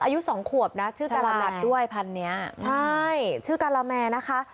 อายุสองขวบนะชื่อการามัดด้วยพันเนี้ยใช่ชื่อการาแมนะคะ